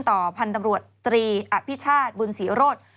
พันธุ์ตำรวจตรีอภิชาติบุญศรีโรธ